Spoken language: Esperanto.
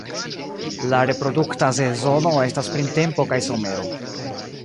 La reprodukta sezono estas printempo kaj somero.